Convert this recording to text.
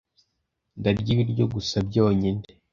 ndarya ibiryo gusa byonyine